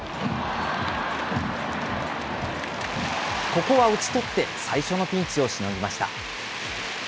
ここは打ち取って最初のピンチをしのぎました。